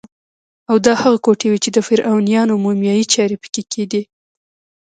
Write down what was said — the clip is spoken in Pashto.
او دا هغه کوټې وې چې د فرعونیانو مومیایي چارې پکې کېدې.